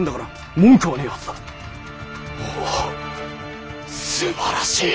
おぉすばらしい！